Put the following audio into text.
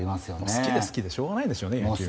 好きで好きでしょうがないんでしょうね。